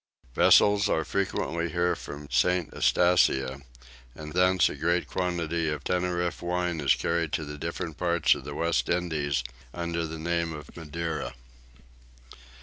Vessels are frequently here from St. Eustatia, and from thence a great quantity of Tenerife wine is carried to the different parts of the West Indies, under the name of Madeira.